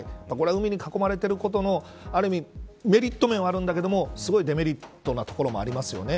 これは海に囲まれていることのある意味メリットはあるんだけどすごいデメリットなところもありますよね。